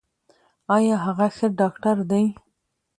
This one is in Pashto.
ایا هغه ښه ډاکټر دی؟